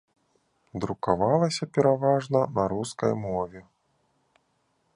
Друкавалася пераважна на рускай мове.